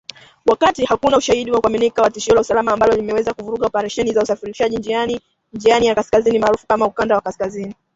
Wakati hakuna ushahidi wa kuaminika wa tishio la usalama ambalo linaweza kuvuruga operesheni za usafirishaji njiani ya kaskazini maarufu kama ukanda wa kaskazini